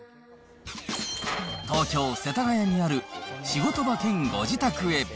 東京・世田谷にある仕事場兼ご自宅へ。